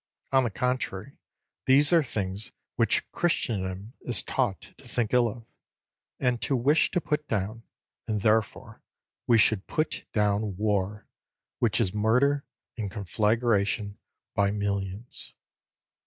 On the contrary, these are things which Christendom is taught to think ill off, and to wish to put down; and therefore we should put down war, which is murder and conflagration by millions.